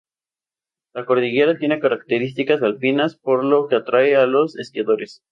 La cordillera tiene características alpinas, por lo que atrae a los esquiadores.